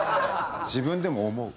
自分でも思う。